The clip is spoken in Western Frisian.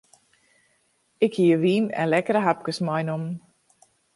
Ik hie wyn en lekkere hapkes meinommen.